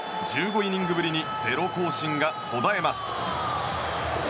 １５イニングぶりに０行進が途絶えます。